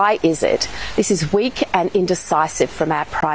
ini adalah kemampuan yang lemah dan indecis dari pemerintah pertama